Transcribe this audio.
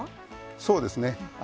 そうですね。